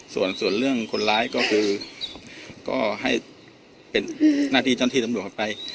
ส่วนเรื่องคนร้ายก็ให้เป็นหน้าที่จ้อนที่สำรวจกลับไป